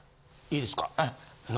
いいですか？